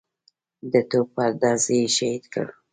د توپ پر ډز یې شهید کړ.